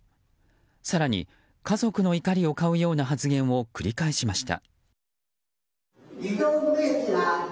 更に、家族の怒りを買うような発言を繰り返しました。